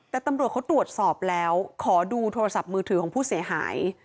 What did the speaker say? แต่ตำรวจเขาตรวจสอบแล้วขอดูโทรศัพท์มือถือของผู้เสียหาย